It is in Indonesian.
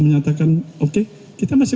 menyatakan oke kita masih